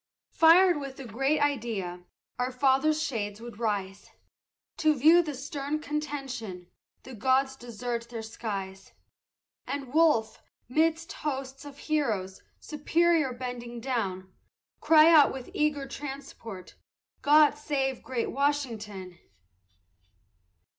Fired with the great idea, our Fathers' shades would rise, To view the stern contention, the gods desert their skies; And Wolfe, 'midst hosts of heroes, superior bending down, Cry out with eager transport, God save great Washington!